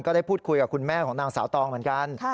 ได้พูดคุยกับคุณแม่ของนางสาวตองเหมือนกัน